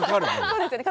そうですよね